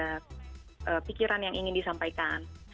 ada pikiran yang ingin disampaikan